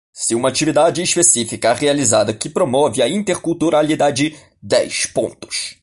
Se uma atividade específica é realizada que promove a interculturalidade: dez pontos.